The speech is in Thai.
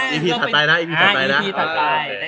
อีพีทักทายนะ